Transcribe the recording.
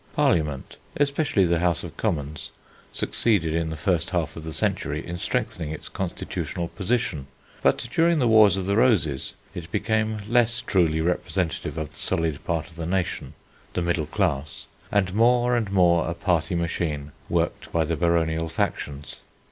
Parliament, especially the House of Commons, succeeded in the first half of the century in strengthening its constitutional position, but during the Wars of the Roses it became less truly representative of the solid part of the nation, the middle class, and more and more a party machine worked by the baronial factions.